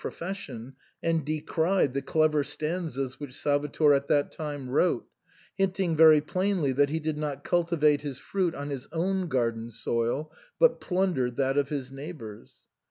profession, and decried the clever stanzas which Salva tor at that time wrote, hinting very plainly that he did not cultivate his fruit on his own garden soil, but plun dered that of his neighbours.